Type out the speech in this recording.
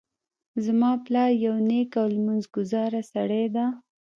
زما پلار یو نیک او لمونځ ګذاره سړی ده